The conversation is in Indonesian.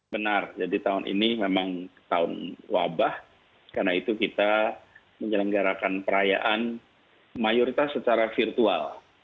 benar jadi tahun ini memang tahun wabah karena itu kita menyelenggarakan perayaan mayoritas secara virtual